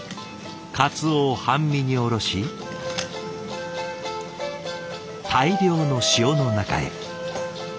鰹を半身におろし大量の塩の中へ。